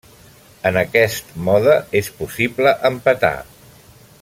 En aquest mode és possible empatar.